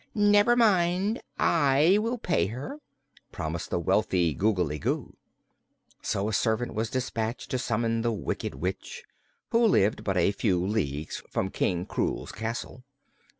"Never mind; I will pay her," promised the wealthy Googly Goo. So a servant was dispatched to summon the Wicked Witch, who lived but a few leagues from King Krewl's castle.